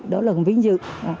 đó là vinh dự